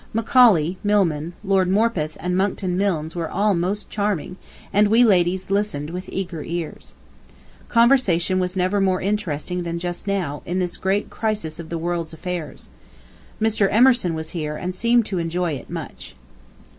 Macaulay, Milman, Lord Morpeth and Monckton Milnes were all most charming, and we ladies listened with eager ears. Conversation was never more interesting than just now, in this great crisis of the world's affairs. Mr. Emerson was here and seemed to enjoy [it] much.